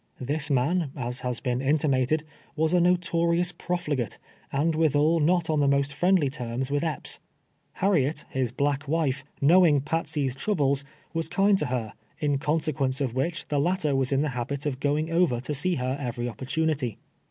This man, as has been intima ted, was a notorious profligate, and withal not on the most friendly terms with Epps. Harriet, his black patsey's ketdrn fkom siiAw's. 255 wife, knowing Patsey's troubles, was kind to her, in consequence of "wliicli the latter was in the habit of going over to see her every opportunity.